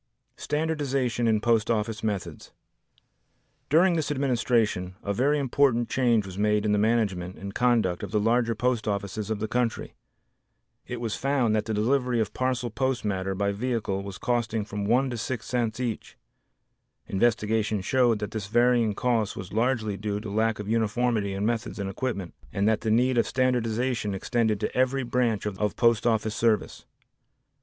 Standardization in Post Office Methods During this administration a very important change was made in the management and conduct of the larger post offices of the country. It was found that the delivery of parcel post matter by vehicle was costing from 1 to 6 cents each. Investigation showed that this varying cost was largely due to lack of uniformity in methods and equipment and that the need of standardization extended to every branch of post office service.